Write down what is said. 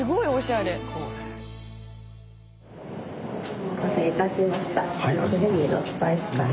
お待たせいたしました。